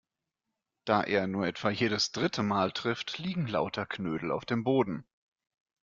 Da er nur etwa jedes dritte Mal trifft, liegen lauter Knödel auf dem Boden.